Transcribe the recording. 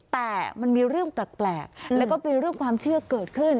แต่มันมีเรื่องแปลกแล้วก็เป็นเรื่องความเชื่อเกิดขึ้น